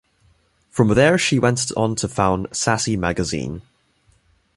From there she went on to found "Sassy Magazine".